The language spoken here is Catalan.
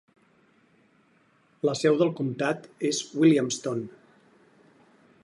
La seu del comtat és Williamston.